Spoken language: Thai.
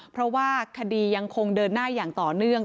เพราะว่าคดียังคงเดินหน้าอย่างต่อเนื่อง